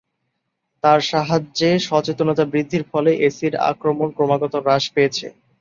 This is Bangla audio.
তাঁর সাহায্যে সচেতনতা বৃদ্ধির ফলে, অ্যাসিড আক্রমণ ক্রমাগত হ্রাস পেয়েছে।